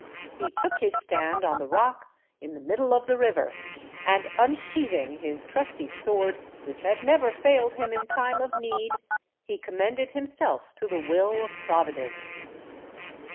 He took his stand on the rock in the middle of the river, and unsheathing his trusty sword, which had never failed him in time of need, he commended himself to the will of Providence.